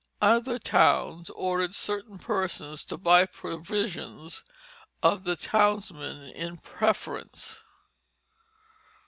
Other towns ordered certain persons to buy provisions "of the towns men in preference."